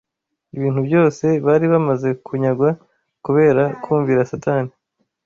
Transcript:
Ibintu byose bari bamaze kunyagwa kubera kumvira Satani